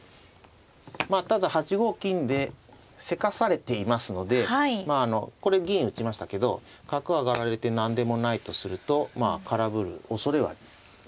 まあただ８五金でせかされていますのでこれ銀打ちましたけど角上がられて何でもないとすると空振るおそれは十分あります。